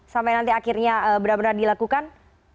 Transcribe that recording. sampai nanti akhirnya benar benar dilakukan